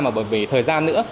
mà bởi về thời gian nữa